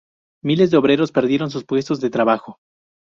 Miles de obreros perdieron sus puestos de trabajo.